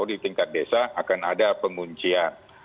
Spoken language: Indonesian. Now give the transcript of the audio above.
di tingkat desa akan ada penguncian